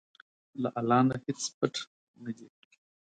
له الله نه هیڅ پټ نه دي.